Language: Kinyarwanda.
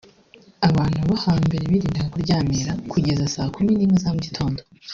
Abantu bo hambere birindaga kuryamira kugeza saa kumi n’imwe za mu gitondo